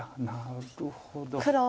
なるほど。